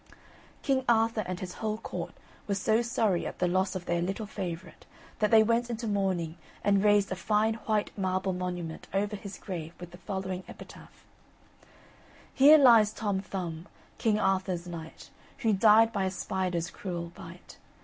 King Arthur and his whole court were so sorry at the loss of their little favourite that they went into mourning and raised a fine white marble monument over his grave with the following epitaph: Here lies Tom Thumb, King Arthur's knight, Who died by a spider's cruel bite.